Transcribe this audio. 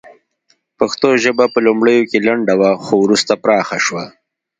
پښتو ژبه په لومړیو کې لنډه وه خو وروسته پراخه شوه